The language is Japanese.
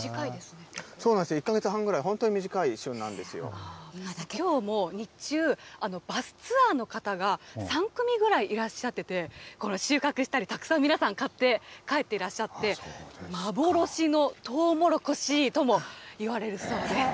そうなんですよ、１か月半ぐまたきょうも日中、バスツアーの方が、３組ぐらいいらっしゃってて、これ、収穫したり、たくさん、皆さん、買って帰っていらっしゃって、幻のとうもろこしともいわれるそうです。